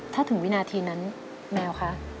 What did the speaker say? ถ้าถึงวินาทีนั้นแมวคะ